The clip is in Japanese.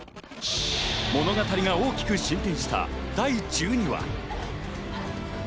物語が大きく進展した第１２話。